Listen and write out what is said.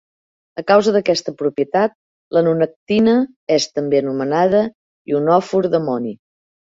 A causa d'aquesta propietat, la nonactina és també anomenada "ionòfor d'amoni".